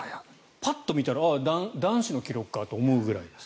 パッと見たら男子の記録かと思うくらいです。